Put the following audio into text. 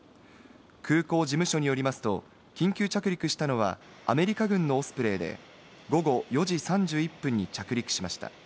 空港事務所によりますと、緊急着陸したのはアメリカ軍のオスプレイで、午後４時３１分に着陸しました。